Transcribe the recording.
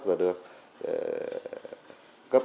và được cấp